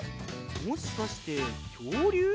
もしかしてきょうりゅう？